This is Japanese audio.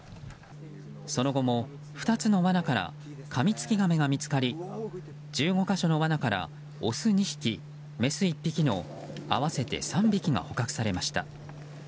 その後も２つのわなからカミツキガメが見つかり１５か所のわなからオス１匹、メス１匹の合わせて３匹が捕獲されました。